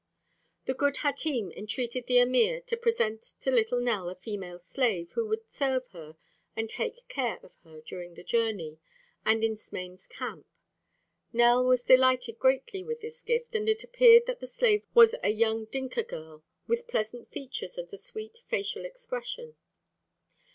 The good Hatim entreated the emir to present to little Nell a female slave, who would serve her and take care of her during the journey and in Smain's camp. Nell was delighted greatly with this gift as it appeared that the slave was a young Dinka girl with pleasant features and a sweet facial expression.